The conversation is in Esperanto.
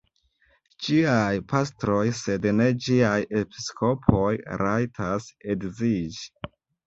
Ĝiaj pastroj, sed ne ĝiaj episkopoj, rajtas edziĝi.